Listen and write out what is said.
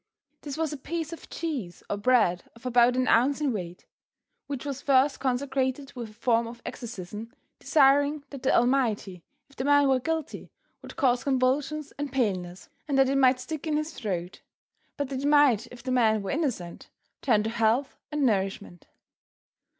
This was a piece of cheese or bread of about an ounce in weight, which was first consecrated with a form of exorcism desiring that the Almighty, if the man were guilty, would cause convulsions and paleness, and that it might stick in his throat, but that it might if the man were innocent, turn to health and nourishment.